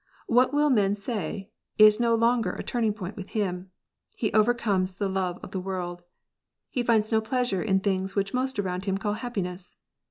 " What will men say ?" is no longer a turning point with him. He overcomes the love of the world. He finds no pleasure in things which most around him call happiness.